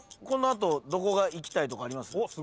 この後どこがいきたいとかあります？